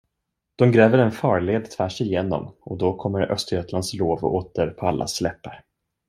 De gräver en farled tvärsigenom, och då kommer Östergötlands lov åter på allas läppar.